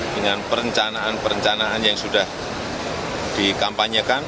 dengan perencanaan perencanaan yang sudah dikampanyekan